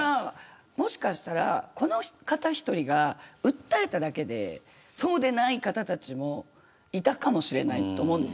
もしかしたらこの方１人が訴えただけでそうでない方たちもいたかもしれないと思うんです。